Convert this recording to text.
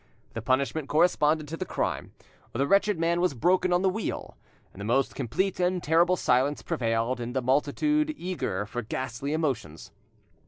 The punishment corresponded to the crime: the wretched man was broken on the wheel. The most complete and terrible silence prevailed in the multitude eager for ghastly emotions.